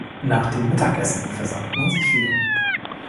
Nach dem Mittagessen versammelt man sich wieder.